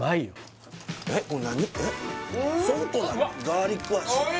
ガーリック味？